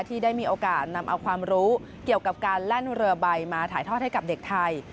ที่ได้มีโอกาสนำเอาความรู้เกี่ยวกับการแล่นเรือใบมาถ่ายทอดให้กับเด็กไทย